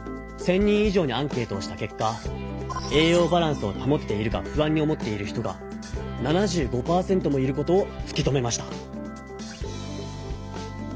１，０００人以上にアンケートをしたけっか栄養バランスを保てているか不安に思っている人が７５％もいることをつき止めました。